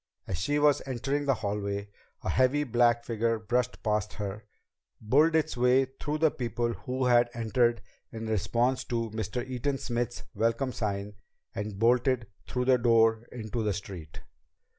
As she was entering the hallway, a heavy black figure brushed past her, bulled its way through the people who had entered in response to Mr. Eaton Smith's welcome sign, and bolted through the door into the street.